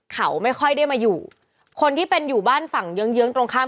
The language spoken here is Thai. เขาไม่ค่อยได้มาอยู่คนที่เป็นอยู่บ้านฝั่งเยื้องเยื้องตรงข้าม